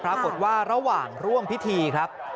ปรากฏว่าระหว่างร่วมพิธีครับ